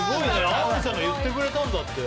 天海さんが言ってくれたんだってよ。